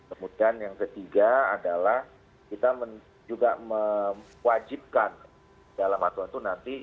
kemudian yang ketiga adalah kita juga mewajibkan dalam aturan itu nanti